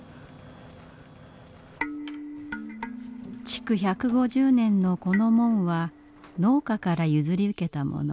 築１５０年のこの門は農家から譲り受けたもの。